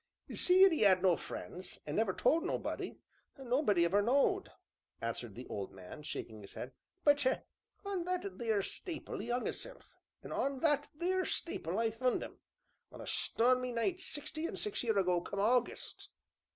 "Seein' e' 'ad no friends, and never told nobody nobody never knowed," answered the old man, shaking his head, "but on that theer stapil 'e 'ung 'isself, an' on that theer stapil I fund 'im, on a stormy night sixty and six year ago come August."